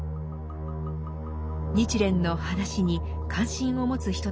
日蓮の話に関心を持つ人たちが急増。